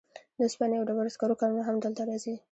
د اوسپنې او ډبرو سکرو کانونه هم دلته راځي.